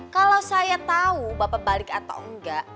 kalau saya tahu bapak balik atau enggak